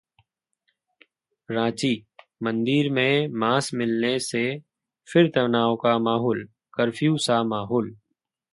रांची: मंदिर में मांस मिलने से फिर तनाव का माहौल, कर्फ्यू सा माहौल